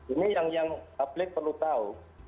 ini yang publik perlu tahu